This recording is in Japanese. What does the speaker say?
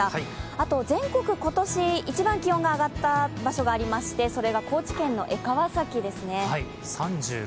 あと全国、今年一番気温が上がったところがありましてそれが高知県の江川崎ですね。